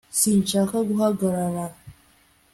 sinshaka guhagarara